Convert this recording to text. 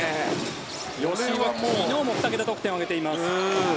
吉井は昨日も２桁得点を挙げています。